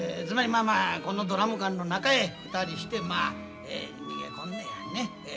つまりまあまあこのドラム缶の中へ２人してまあ逃げ込んでやね